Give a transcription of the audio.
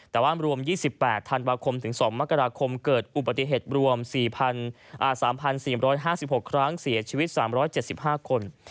แต่ว่ารวม๒๘ธันวาคมถึง๒มกราคมเกิดอุบัติเหตุรวม๓๔๕๖ครั้งเสียชีวิต๓๗๕คน